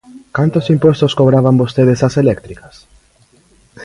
¿Cantos impostos cobraban vostedes ás eléctricas?